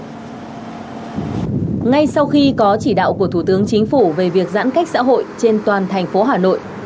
ngay sau khi có chỉ đạo của thủ tướng chính phủ về việc giãn cách xã hội trên toàn thành phố hà nội